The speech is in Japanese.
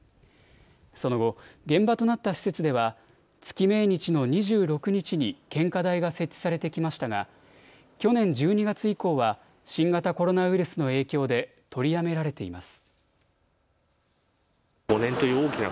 その後、現場となった施設では月命日の２６日に献花台が設置されてきましたが去年１２月以降は新型コロナウイルスの影響で取りやめられています。